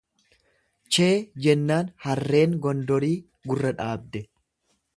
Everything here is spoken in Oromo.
Chee jennaan harreen Gondorii gurra dhaabde.